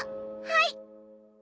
はい！